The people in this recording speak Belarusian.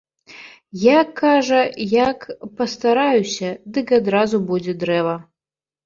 Я, кажа, як пастараюся, дык адразу будзе дрэва.